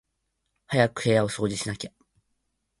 早く部屋を掃除しなきゃ